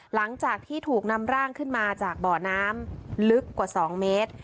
หลังจากที่ถูกนำร่างขึ้นมาจากบ่อน้ำลึกกว่า๒เมตร